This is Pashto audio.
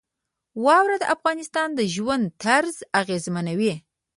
واوره د افغانانو د ژوند طرز اغېزمنوي.